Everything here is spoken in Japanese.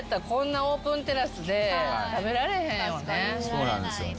そうなんですよね。